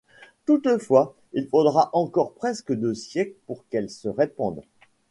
Toutefois, il faudra encore presque deux siècles pour qu'elle se répande.